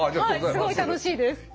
すごい楽しいです。